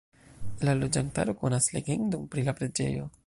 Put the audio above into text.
La loĝantaro konas legendon pri la preĝejo.